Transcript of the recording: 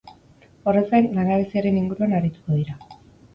Horrez gain, langabeziaren inguruan arituko dira.